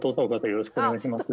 よろしくお願いします。